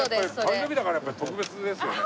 誕生日だからやっぱり特別ですよね。